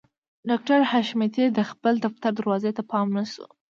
ډاکټر حشمتي د خپل دفتر دروازې ته پام نه شو